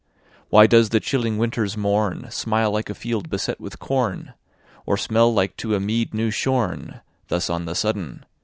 ........ Why does the chilling winter's morne Smile like a field beset with corn? Or smell like to a meade new shorne, Thus on the sudden?